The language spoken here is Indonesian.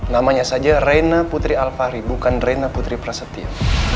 namanya saja reyna putri al fahri bukan reyna putri prasetya